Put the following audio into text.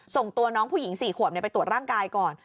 ส่งตัวน้องผู้หญิง๔ขวบไปตรวจร่างกายก่อน